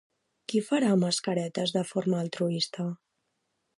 Qui farà mascaretes de forma altruista?